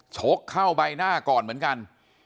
ชกเข้าใบหน้าก่อนเหมือนกัน